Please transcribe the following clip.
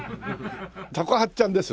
たこはっちゃんです